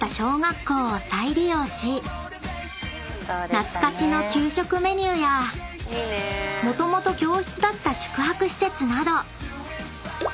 ［懐かしの給食メニューやもともと教室だった宿泊施設など］